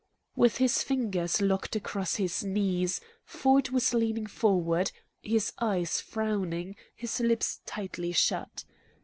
With his fingers locked across his knees, Ford was leaning forward, his eyes frowning, his lips tightly shut.